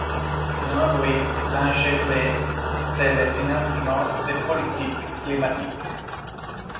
Selon lui, l’enjeu-clé, c’est le financement des politiques climatiques.